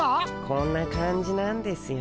こんな感じなんですよ。